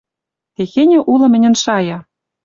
Техеньӹ улы мӹньӹн шая: